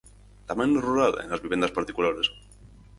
Tamén no rural e nas vivendas particulares.